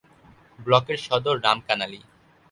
ব্লকের সদর রামকানালি।